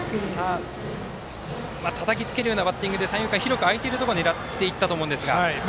たたきつけるようなバッティングで三遊間、広く開いているところに狙っていったと思うんですが。